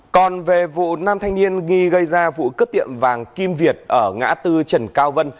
còn về vụ nam thanh niên ghi gây ra vụ cướp tiệm vàng kim việt ở ngã tư trần cao vân